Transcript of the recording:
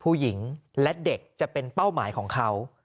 ผู้หญิงและเด็กจะเป็นเป้าหมายของเขา